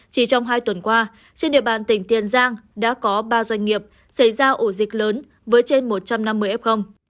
chỉ trong hai tuần qua trên địa bàn tỉnh tiền giang đã có ba doanh nghiệp xảy ra ổ dịch lớn với trên một trăm năm mươi f